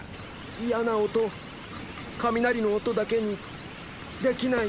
嫌な音雷の音だけにできない。